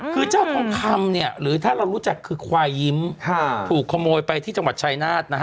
คือเจ้าทองคำเนี่ยหรือถ้าเรารู้จักคือควายยิ้มถูกขโมยไปที่จังหวัดชายนาฏนะฮะ